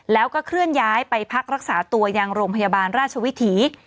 แล้วก็เคลื่อนย้ายไปพักรักษาตัวยังโรงพยาบาลราชวิถี